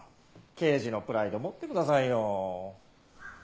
刑事のプライド持ってくださいよ。